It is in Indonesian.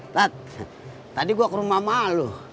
tat tadi gua ke rumah ma lu